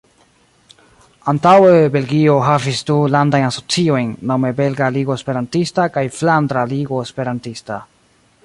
Antaŭe Belgio havis du Landajn Asociojn, nome Belga Ligo Esperantista kaj Flandra Ligo Esperantista.